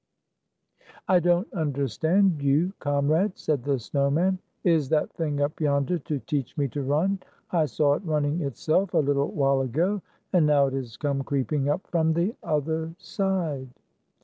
"I don't understand you, comrade," said the snow man. "Is that thing up yonder to teach me to run ? I saw it running itself, a little while ago, and now it has come creeping up from the other side."